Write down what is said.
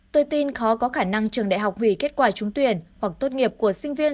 tôi tin khó có khả năng trường đại học hủy kết quả trúng tuyển hoặc tốt nghiệp của sinh viên